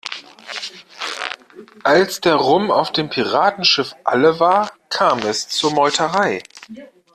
Als der Rum auf dem Piratenschiff alle war, kam es zur Meuterei.